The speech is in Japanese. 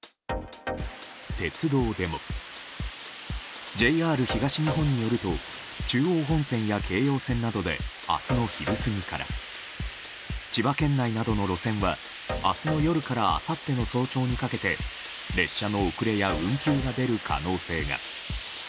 鉄道でもＪＲ東日本によると中央本線や京葉線などで明日の昼過ぎから千葉県内などの路線は明日の夜からあさっての早朝にかけて列車の遅れや運休が出る可能性が。